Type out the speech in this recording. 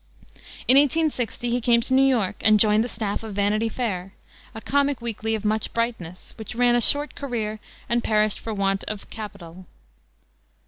In 1860 he came to New York and joined the staff of Vanity Fair, a comic weekly of much brightness, which ran a short career and perished for want of capital.